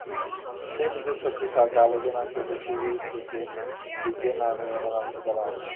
সেই বিদ্যুৎশক্তির সাহায্যে আবর্জনাকে পৃথিবীর দিকে দিকে নামিয়ে এনে ধ্বংস করা হবে।